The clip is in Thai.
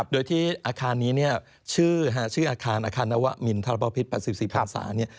โดยที่อาคารนี้ชื่ออาคารนัววะมินทะละเปาพิษปราสิบสี่พันศา